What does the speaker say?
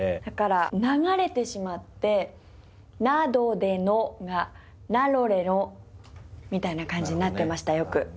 だから流れてしまって「などでの」が「らろれろ」みたいな感じになってましたよく。